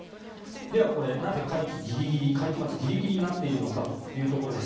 ではこれ、なぜ会期末ギリギリになっているのかというところです。